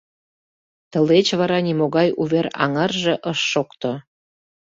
Тылеч вара нимогай увер-аҥарже ыш шокто...